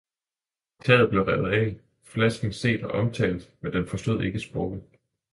Taget blev revet af, flasken set og omtalt, men den forstod ikke sproget.